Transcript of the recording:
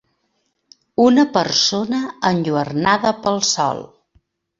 Una persona enlluernada pel sol.